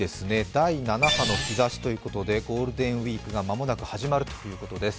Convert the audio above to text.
第７波の兆しということでゴールデンウイークが間もなく始まるということです。